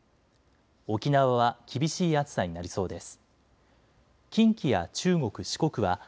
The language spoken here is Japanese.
沖縄は厳しい暑さになりそうです。